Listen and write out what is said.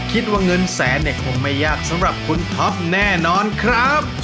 คิดว่าเงินแสนเนี่ยคงไม่ยากสำหรับคุณท็อปแน่นอนครับ